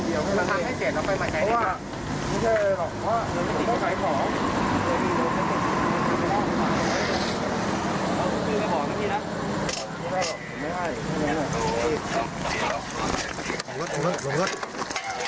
อยู่เหนื่อยอยู่เหนื่อยอยู่เหนื่อย